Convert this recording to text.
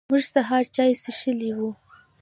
موږ سهار چای څښلی و.